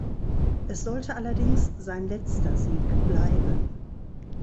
Es sollte allerdings sein letzter Sieg bleiben.